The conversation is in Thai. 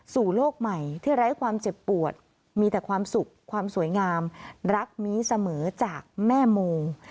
สู่โลกใหม่ที่ไร้ความเจ็บปวดมีแต่ความสุขความสวยงามรักนี้เสมอจากแม่โม